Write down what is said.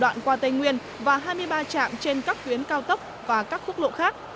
đoạn qua tây nguyên và hai mươi ba trạm trên các tuyến cao tốc và các quốc lộ khác